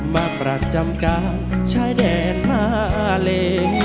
มาปราบจำกลางชายแดนมาเล